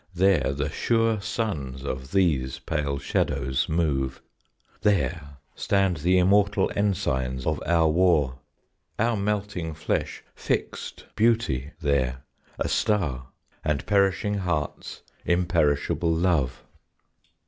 There the sure suns of these pale shadows move; There stand the immortal ensigns of our war; Our melting flesh fixed Beauty there, a star, And perishing hearts, imperishable Love....